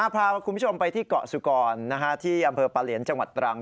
พาคุณผู้ชมไปที่เกาะสุกรที่อำเภอปะเหลียนจังหวัดตรัง